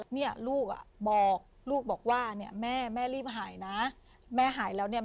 เนี่ยลูกอ่ะบอกลูกบอกว่าเนี่ยแม่แม่รีบหายนะแม่หายแล้วเนี่ย